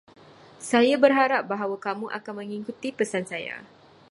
Saya berharap bahawa kamu akan mengikuti pesan saya.